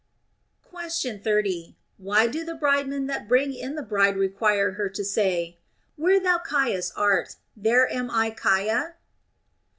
Question 30. Why do the bridemen that bring in the bride require her to say, "Where thou Caius art, there am I Caia "